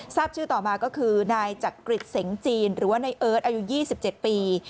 ทราบชื่อต่อมาก็คือนายจักริจเสงจีนหรือว่าในเอิร์ทอายุ๒๗ปี